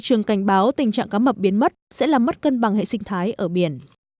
trường cảnh báo tình trạng cá mập biến mất sẽ làm mất cân bằng hệ sinh thái ở biển